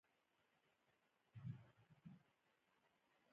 زه نه غواړم ستا ملګری و اوسم، زه ستا ملګری یم.